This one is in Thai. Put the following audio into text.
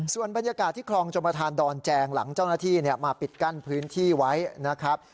ส่วนบรรยากาศที่คลองชมประธานดอนแจงหลังเจ้าหน้าที่มาปิดกั้นพื้นที่ไว้นะครับ